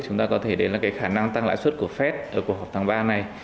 chúng ta có thể đến là cái khả năng tăng lãi suất của fed ở cuộc họp tháng ba này